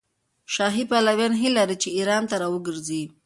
شاهي پلویان هیله لري چې ایران ته راوګرځي.